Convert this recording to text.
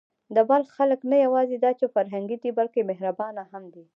د بلخ خلک نه یواځې دا چې فرهنګي دي، بلکې مهربانه هم دي.